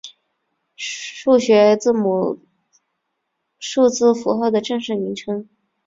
数学字母数字符号的正式名称。